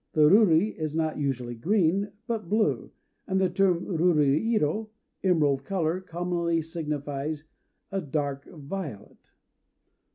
The ruri is not usually green, but blue; and the term "ruri iro" (emerald color) commonly signifies a dark violet.